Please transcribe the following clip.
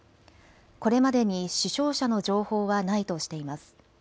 これまでに死傷者の情報はないとしています。